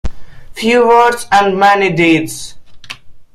Few words and many deeds.